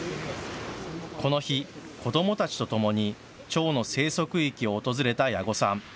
この日、子どもたちとともにチョウの生息域を訪れた矢後さん。